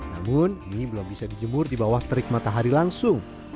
namun mie belum bisa dijemur di bawah terik matahari langsung